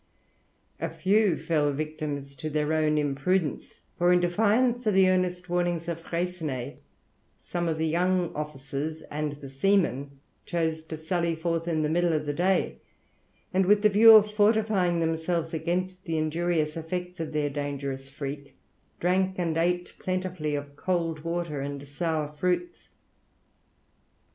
A few fell victims to their own imprudence, for in defiance of the earnest warnings of Freycinet, some of the young officers and the seamen chose to sally forth in the middle of the day, and with the view of fortifying themselves against the injurious effects of their dangerous freak, drank and ate plentifully of cold water and sour fruits.